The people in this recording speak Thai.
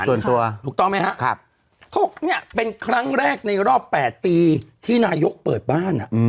ส่วนตัวถูกต้องไหมครับเขาบอกเนี่ยเป็นครั้งแรกในรอบ๘ปีที่นายกเปิดบ้าน